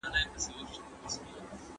بدن باید د روژې شرایطو ته ځان عیار کړي.